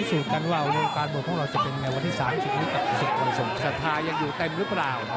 สูตรกันว่าโรงการบวกของเราจะเป็นยังไงวันที่๓๐นี้กับประสุทธิ์กรรมสมศัษฐายังอยู่เต็มหรือเปล่า